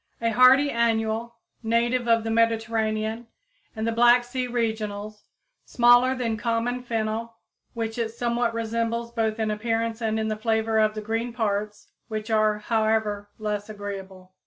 a hardy annual, native of the Mediterranean and the Black Sea regions, smaller than common fennel, which it somewhat resembles both in appearance and in the flavor of the green parts, which are, however, less agreeable.